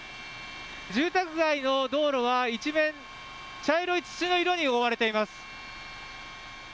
住宅街の道路は一面茶色い土の色に覆われています。